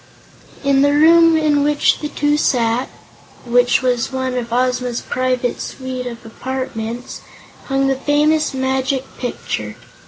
In the room in which the two sat which was one of Ozma's private suite of apartments hung the famous Magic Picture.